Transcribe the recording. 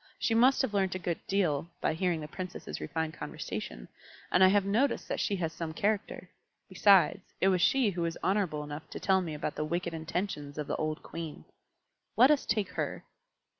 She must have learnt a good deal by hearing the Princesses' refined conversation, and I have noticed that she has some character. Besides, it was she who was honourable enough to tell me about the wicked intentions of the old Queen. Let us take her."